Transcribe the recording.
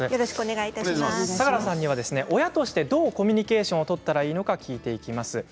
相樂さんには親としてどうコミュニケーションを取ったらいいのか聞いていきます。